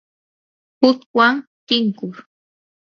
hukwan tinkuq